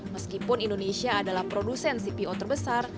meskipun indonesia adalah produsen cpo terbesar